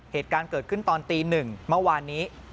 เหตุการณ์เกิดขึ้นตอนตี๑เมื่อวานนี้